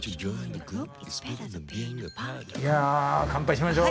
いや乾杯しましょう。